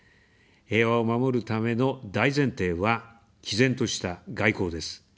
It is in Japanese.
平和を守るための大前提は、きぜんとした外交です。